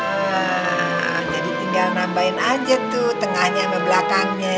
ah jadi tinggal nambahin aja tuh tengahnya sama belakangnya